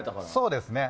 そうですね。